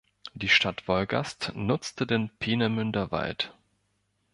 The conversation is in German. Die Stadt Wolgast nutzte den "Peenemünder Wald".